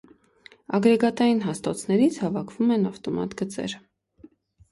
Ագրեգատային հաստոցներից հավաքվում են ավտոմատ գծեր։